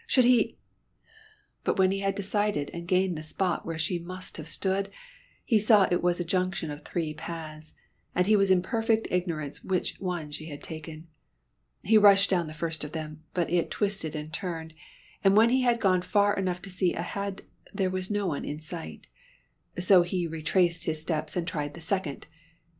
Should he ? But when he had decided and gained the spot where she must have stood, he saw it was a junction of three paths, and he was in perfect ignorance which one she had taken. He rushed down the first of them, but it twisted and turned, and when he had gone far enough to see ahead there was no one in sight. So he retraced his steps and tried the second.